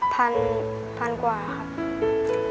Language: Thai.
พันพันกว่าครับ